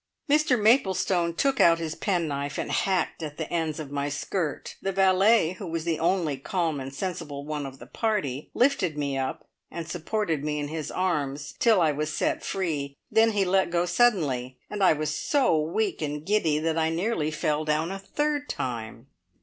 Mr Maplestone took out his penknife and hacked at the ends of my skirt; the valet, who was the only calm and sensible one of the party, lifted me up, and supported me in his arms till I was set free. Then he let go suddenly, and I was so weak and giddy that I nearly fell down a third time.